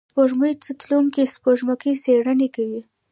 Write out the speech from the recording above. سپوږمۍ ته تلونکي سپوږمکۍ څېړنې کوي